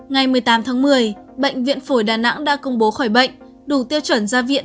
ngày một mươi tám tháng một mươi bệnh viện phổi đà nẵng đã công bố khỏi bệnh đủ tiêu chuẩn ra viện